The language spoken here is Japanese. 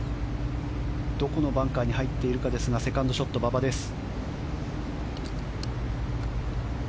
どこのバンカーに入っているかですがセカンドショット、馬場です。